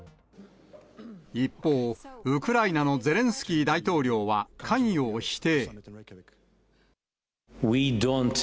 一方、ウクライナのゼレンスキー大統領は関与を否定。